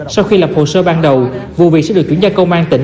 sau khi lập hồ sơ ban đầu vụ việc sẽ được chuyển giao công an tỉnh